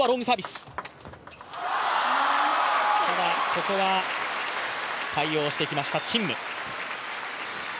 ここは対応してきました、陳夢。